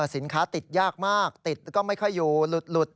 สินค้าติดยากมากติดก็ไม่ค่อยอยู่หลุด